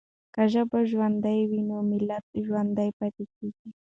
که ژبه ژوندۍ وي نو ملت ژوندی پاتې کېږي.